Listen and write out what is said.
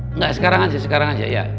enggak sekarang aja sekarang aja ya